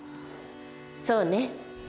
そうね。